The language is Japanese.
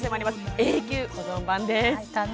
永久保存版です。